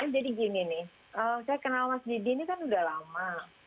jadi gini nih saya kenal mbak didi ini kan udah lama